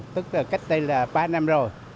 tức là cách đây là ba năm rồi